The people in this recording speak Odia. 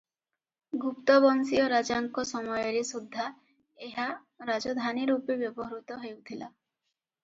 ଗୁପ୍ତବଂଶୀୟ ରାଜାଙ୍କ ସମୟରେ ସୁଦ୍ଧା ଏହା ରାଜଧାନୀରୂପେ ବ୍ୟବହୃତ ହେଉଥିଲା ।